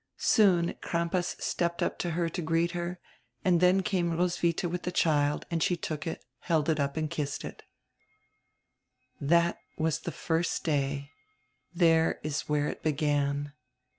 Soon Crampas stepped up to her to greet her, and then came Roswitha with the child, and she took it, held it up, and kissed it "That was the first day, there is where it began."